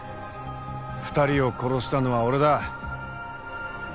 ２人を殺したのは俺だ。